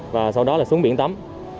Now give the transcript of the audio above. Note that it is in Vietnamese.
và sau đó là xuống biển tắm